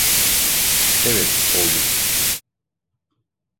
Evet, oldum.